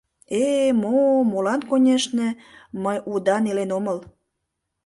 — Э-э, мо-о, молан, конешне, мый удан илен омыл.